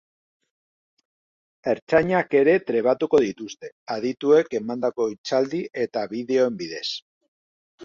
Ertzainak ere trebatuko dituzte, adituek emandako hitzaldi eta bideoen bidez.